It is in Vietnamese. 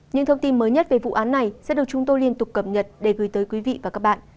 những thông tin mới nhất về vụ án này sẽ được chúng tôi liên tục cập nhật để gửi tới quý vị và các bạn